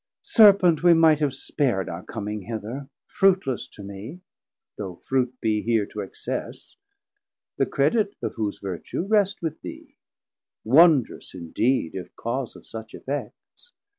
Serpent, we might have spar'd our coming hither, Fruitless to me, though Fruit be here to excess, The credit of whose vertue rest with thee, Wondrous indeed, if cause of such effects.